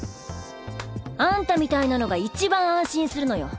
あんたみたいなのが一番安心するのよ